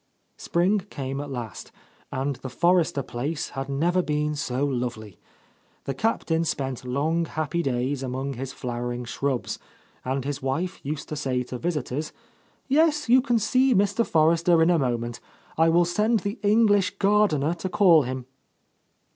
Spring came at last, and the Forrester place had never been so lovely. The Captain spent long, happy days among his flowering shrubs, and his wife used to say to visitors, "Yes, you can see Mr. Forrester in a moment; I will send the English gardener to call him."